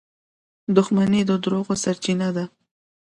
• دښمني د دروغو سرچینه ده.